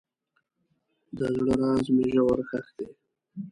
د زړه راز مې ژور ښخ دی.